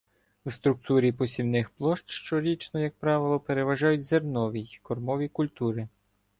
В структурі посівних площ щорічно, як правило, переважають зернові й кормові культури.